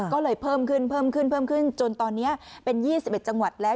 ก็เลยเพิ่มขึ้นจนตอนนี้เป็นยี่สิบเอ็ดจังหวัดแล้ว